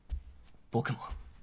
僕も